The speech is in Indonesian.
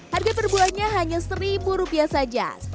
harga perbuahannya hanya seribu rupiah saja